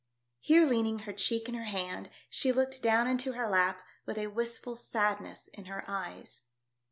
Here leaning her cheek in her hand she looked down into her lap with a wistful sadness in her eyes.